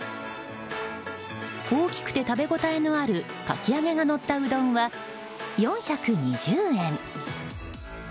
大きくて食べ応えのあるかき揚げがのったうどんは４２０円。